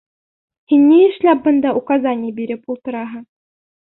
Һин ни эшләп бында указание биреп ултыраһың?